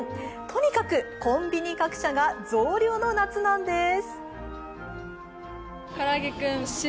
とにかくコンビニ各社が増量の夏なんです。